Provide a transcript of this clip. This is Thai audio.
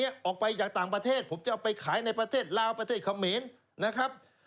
ออกไปจากต่างประเทศผมจะเอาไปขายในประเทศลาวประเทศเขมรนะครับ